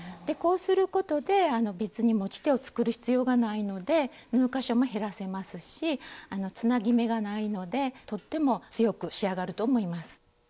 こうすることで別に持ち手を作る必要がないので縫う箇所も減らせますしつなぎ目がないのでとっても強く仕上がると思います。